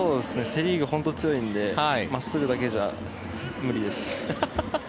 セ・リーグ、本当に強いんで真っすぐだけじゃ無理です。